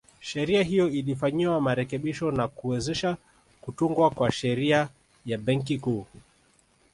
Sheria hiyo ilifanyiwa marekebisho na kuwezesha kutungwa kwa Sheria ya Benki Kuu